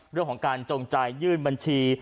เรื่องของการจงใจยื่นบัญชี